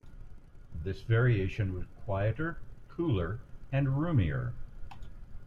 This variation was quieter, cooler and roomier.